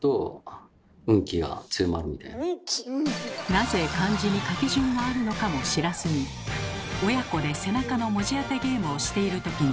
なぜ漢字に書き順があるのかも知らずに親子で背中の文字当てゲームをしているときに。